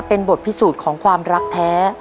เป็นบทพิสูจน์ของความรักแท้